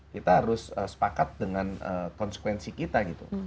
kita harus sepakat dengan konsekuensi kita gitu